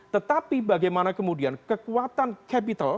tetapi bagaimana kemudian kekuatan capital